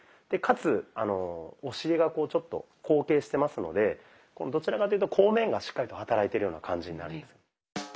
でかつお尻がちょっと後傾してますのでどちらというと後面がしっかりと働いてるような感じになります。